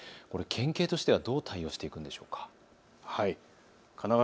これ、県警としてはどう対応していくんでしょうか。